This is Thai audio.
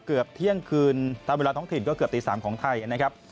เกือบเที่ยงคืนตามเวลาท้องถิ่นก็เกือบตี๓ของไทยนะครับ